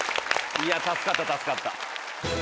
助かった助かった。